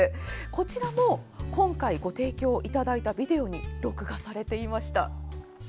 こちらも今回ご提供いただいたビデオに録画されていました。